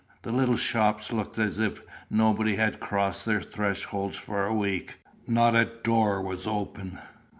The little shops looked as if nobody had crossed their thresholds for a week. Not a door was open.